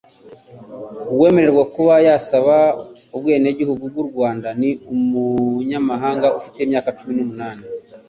Uwemerewe kuba yasaba ubwenegihugu bw'u Rwanda ni umunyamahanga ufite imyaka cumi n'umunani